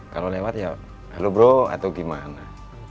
kalau lewat ya halo bro atau gimana